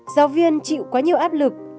giáo viên chịu quá nhiều áp lực